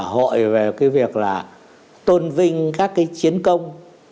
hội về việc tôn vinh các chiến công